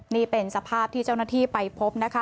นี่เป็นสภาพที่เจ้าหน้าที่ไปพบนะคะ